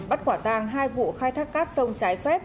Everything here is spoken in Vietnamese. bắt quả tàng hai vụ khai thác cát sông trái phép